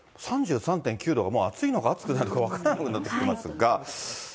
３３．９度がもう暑いのか暑くないのか分からなくなってきていますが。